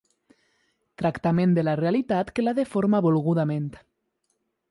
Tractament de la realitat que la deforma volgudament.